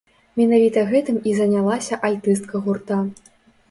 Менавіта гэтым і занялася альтыстка гурта.